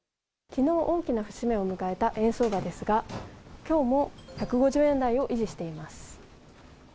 昨日、大きな節目を迎えた円相場ですが、今日も１５０円台を維持しています。